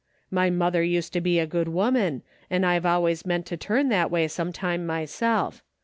" My mother used to be a good woman, an' I've always meant to turn that DAILY RATE.^^ 309 way some time myself.